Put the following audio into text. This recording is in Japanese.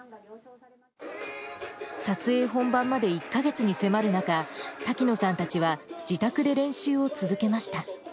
撮影本番まで１か月に迫る中、滝野さんたちは自宅で練習を続けました。